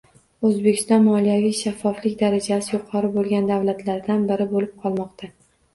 O'zbekiston moliyaviy shaffoflik darajasi yuqori bo'lgan davlatlardan biri bo'lib qolmoqda